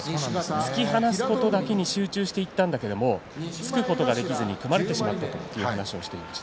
突き放すことだけに集中していたんだけれども突くことができずに組まれてしまったと話していました。